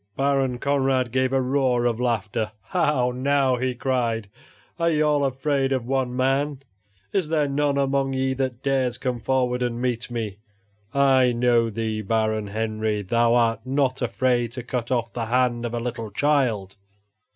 Baron Conrad gave a roar of laughter. "How now," he cried; "are ye all afraid of one man? Is there none among ye that dares come forward and meet me? I know thee, Baron Henry thou art not afraid to cut off the hand of a little child.